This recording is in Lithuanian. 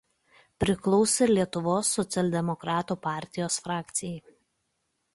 Priklausė Lietuvos socialdemokratų partijos frakcijai.